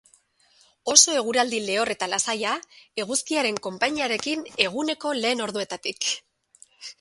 Oso eguraldi lehor eta lasaia, eguzkiaren konpainiarekin eguneko lehen orduetatik.